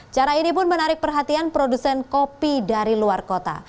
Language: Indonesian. cara ini pun menarik perhatian produsen kopi dari luar kota